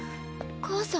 母さん！